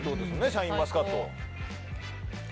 シャインマスカット。